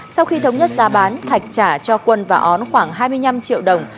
sau khi thống nhất giá bán thạch trả cho quân và ón khoảng hai mươi năm triệu đồng